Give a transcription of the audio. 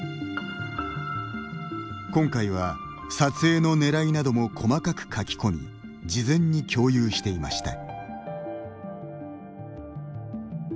今回は、撮影のねらいなども細かく書き込み事前に共有していました。